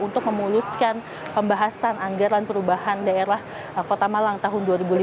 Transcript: untuk memuluskan pembahasan anggaran perubahan daerah kota malang tahun dua ribu lima belas